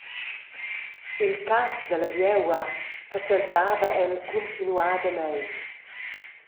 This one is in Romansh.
Il cass dalla vieua fatschentava el cuntinuadamein.